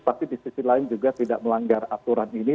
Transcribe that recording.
tapi di sisi lain juga tidak melanggar aturan ini